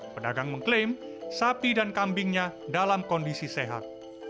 pedagang mengklaim sapi dan kambingnya dalam kondisi sehat